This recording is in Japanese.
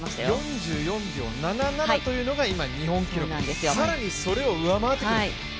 ４４秒７７というのが今日本記録、更にそれを上回ってくると。